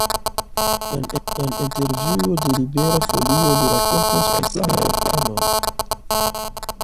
En intervjuo de Libera Folio li rakontas pri siaj planoj.